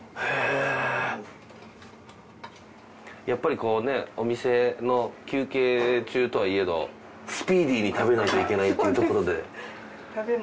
やっぱりこうねお店の休憩中とはいえどスピーディーに食べないといけないっていうところで。